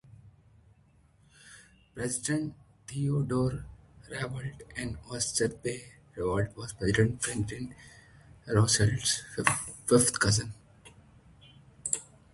President Theodore Roosevelt, an Oyster Bay Roosevelt, was President Franklin Roosevelt's fifth cousin.